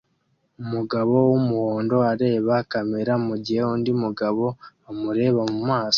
Umugabo wumuhondo areba kamera mugihe undi mugabo amureba mumaso